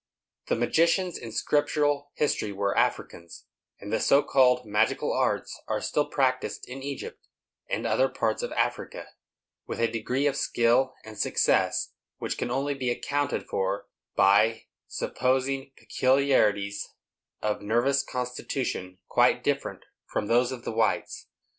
The magicians in scriptural history were Africans; and the so called magical arts are still practised in Egypt, and other parts of Africa, with a degree of skill and success which can only be accounted for by supposing peculiarities of nervous constitution quite different from those of the whites.